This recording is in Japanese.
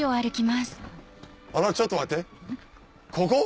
ちょっと待ってここ？